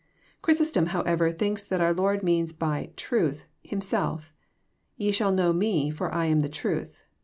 Cfhrysostom however thinks that our Lord means by *' truth," Himself. *< Ye shall know Me, for I am the truth."